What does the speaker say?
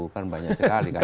kan banyak sekali